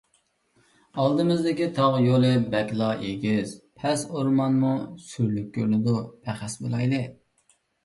ئالدىمىزدىكى تاغ يولى بەكلا ئېگىز - پەس، ئورمانمۇ سۈرلۈك كۆرۈنىدۇ. پەخەس بولايلى.